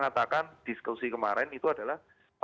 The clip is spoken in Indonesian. katakan diskusi kemarin itu adalah